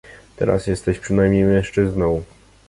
"Teraz jesteś przynajmniej mężczyzną!"